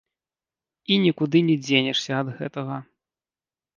І нікуды не дзенешся ад гэтага.